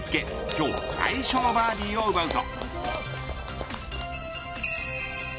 今日最初のバーディーを奪うと。